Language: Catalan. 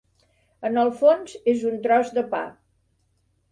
En el fons és un tros de pa.